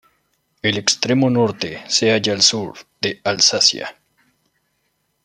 El extremo norte se halla al sur de Alsacia.